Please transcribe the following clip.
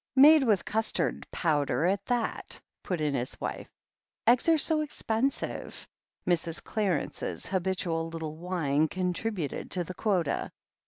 "Made with custard powder at that," put in his wife. "Eggs are so expensive," Mrs. Clarence's habitual little whine contributed to the quota.